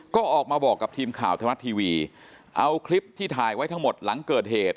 ก็ออกมาบอกกับทีมข่าวธรรมรัฐทีวีเอาคลิปที่ถ่ายไว้ทั้งหมดหลังเกิดเหตุ